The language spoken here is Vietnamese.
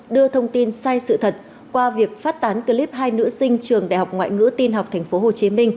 đưa thông tin sai sự thật qua việc phát tán clip hai nữ sinh trường đại học ngoại ngữ tin học tp hcm